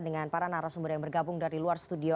dengan para narasumber yang bergabung dari luar studio